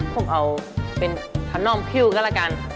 ผมเอาเป็นขนอมพิวก็แล้วกัน